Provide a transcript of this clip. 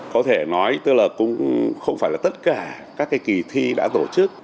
có thể nói tức là cũng không phải là tất cả các cái kỳ thi đã tổ chức